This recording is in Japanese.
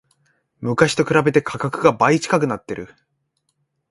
昔と比べて価格が倍近くなってる